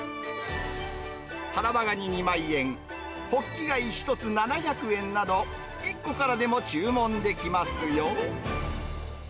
タラバガニ２万円、ホッキ貝１つ７００円など、１個からでも注文できますよ。